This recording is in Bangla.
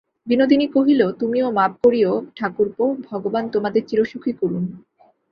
বিনোদিনী কহিল, তুমিও মাপ করিয়ো ঠাকুরপো, ভগবান তোমাদের চিরসুখী করুন।